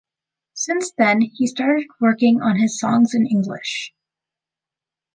Since then, he started working on his songs in English.